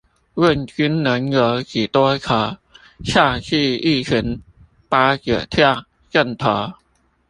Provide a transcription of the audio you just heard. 問君能有幾多愁，恰似一群八九跳陣頭